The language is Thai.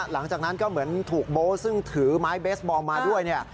หลังจากนั้นก็เหมือนถูกโบ๊ทซึ่งถือไม้เบสบอลมาด้วยเนี่ย